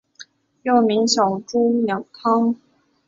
又名小朱鸟汤。